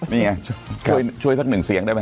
นี่ไงช่วยสักหนึ่งเสียงได้ไหม